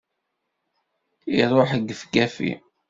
Iruḥ gefgafi!